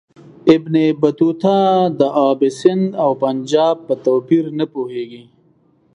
ابن بطوطه د آب سند او پنجاب په توپیر نه پوهیږي.